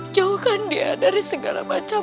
jauhkan dia dari segala macam